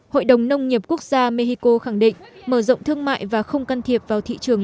hội đồng nông nghiệp quốc gia mexico khẳng định mở rộng thương mại và không can thiệp vào thị trường